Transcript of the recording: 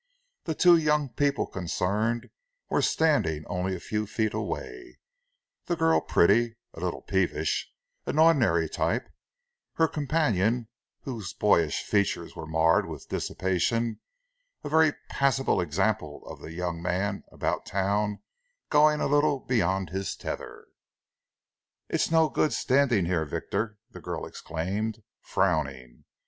The two young people concerned were standing only a few feet away, the girl pretty, a little peevish, an ordinary type; her companion, whose boyish features were marred with dissipation, a very passable example of the young man about town going a little beyond his tether. "It's no good standing here, Victor!" the girl exclaimed, frowning.